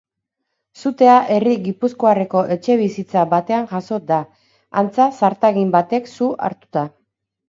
Sutea herri gipuzkoarreko etxebizitza batean jazo da, antza zartagin batek su hartuta.